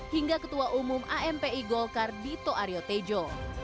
hingga ketua umum ampi golkar dito aryo tejo